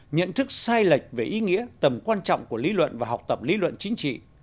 nhận thức sai lệch về ý nghĩa tầm quan trọng của lý luận và học tập lý luận chính trị